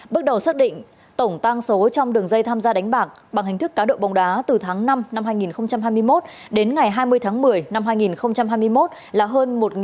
bước đầu xác định tổng tăng số trong đường dây tham gia đánh bạc bằng hình thức cá độ bóng đá từ tháng năm năm hai nghìn hai mươi một đến ngày hai mươi tháng một mươi năm hai nghìn hai mươi một là hơn một năm trăm linh tỷ đồng